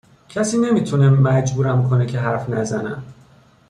کسی نمی تونه مجبورم کنه که حرف نزنم